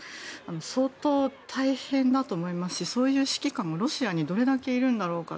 相当、大変だと思いますしそういう指揮官がロシアにどれだけいるんだろうか。